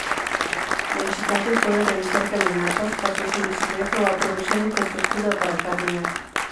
Los visitantes pueden realizar caminatas, paseos en bicicleta o aprovechar la infraestructura para patinar.